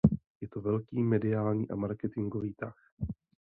Je to velký mediální a marketingový tah.